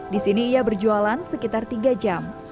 di sini ia berjualan sekitar tiga jam